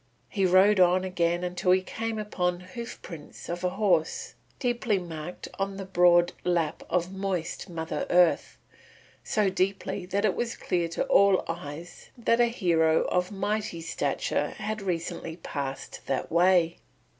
He rode on again until he came upon the hoof prints of a horse deeply marked on the broad lap of moist Mother Earth, so deeply that it was clear to all eyes that a hero of mighty stature had recently passed that way.